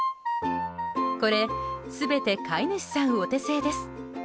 これ、全て飼い主さんお手製です。